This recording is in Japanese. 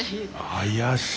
怪しい。